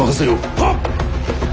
はっ！